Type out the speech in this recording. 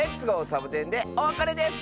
サボテン」でおわかれです！